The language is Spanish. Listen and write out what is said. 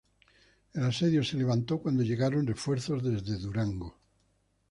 El asedio se levantó cuando llegaron refuerzos desde Durango.